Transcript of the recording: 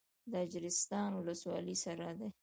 د اجرستان ولسوالۍ سړه ده